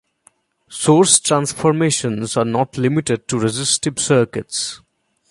Source transformations are not limited to resistive circuits.